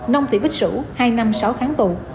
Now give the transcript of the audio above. nông thị bích sửu hai năm sáu tháng tù